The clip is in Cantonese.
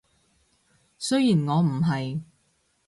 雖然我唔係